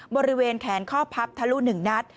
บริเวณแขนข้อพับทะลุ๑นัด